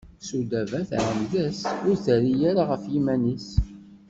Sudaba tɛemmed-as, ur terri ara ɣef yiman-is.